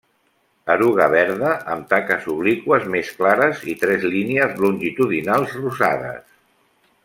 Eruga verda amb taques obliqües més clares i tres línies longitudinals rosades.